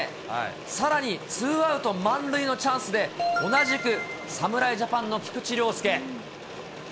さらにツーアウト満塁のチャンスで、同じく侍ジャパンの菊池涼介。